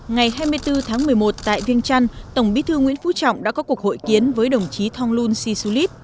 ngày hai mươi bốn tháng một mươi một tại viên trăn tổng bí thư nguyễn phú trọng đã có cuộc hội kiến với đồng chí thong lun si su lít